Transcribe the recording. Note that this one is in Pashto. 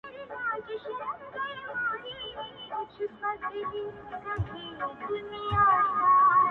چلېدل يې په ښارونو كي حكمونه-